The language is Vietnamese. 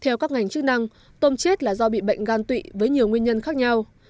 theo các ngành chức năng tôm chết là do bị bệnh gan tụy với nhiều nguyên nhân khác nhau